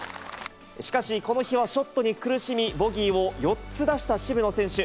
しかし、この日はショットに苦しみ、ボギーを４つ出した渋野選手。